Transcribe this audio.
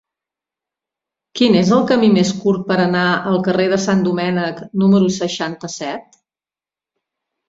Quin és el camí més curt per anar al carrer de Sant Domènec número seixanta-set?